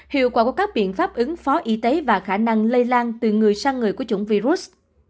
hiệu quả của các biện pháp ứng phó y tế và khả năng lây lan từ người sang người của chủng virus